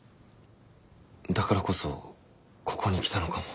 だからこそここに来たのかも。